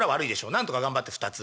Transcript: なんとか頑張って２つ」。